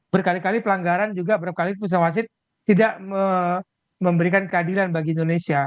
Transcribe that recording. berkali kali pelanggaran juga berkali pusat wasit tidak memberikan keadilan bagi indonesia